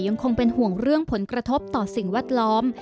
ยังคงเป็นห่วงเรื่องผลกระทบต่อสิ่งแวดล้อม